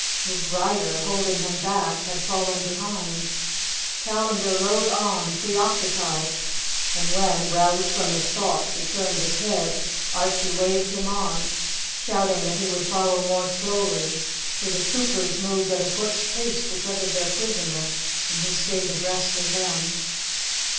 His rider, holding him back, had fallen behind. Callandar rode on, preoccupied, and when, roused from his thoughts, he turned his head, Archie waved him on, shouting that he would follow more slowly, for the troopers moved at a foot's pace because of their prisoner, and he stayed abreast of them.